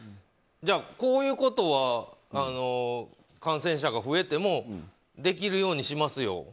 じゃあ、こういうことは感染者が増えてもできるようにしますよ